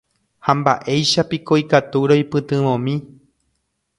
Ha mba'éichapiko ikatu roipytyvõmi